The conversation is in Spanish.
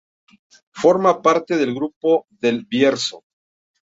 Forma parte del Grupo del Bierzo.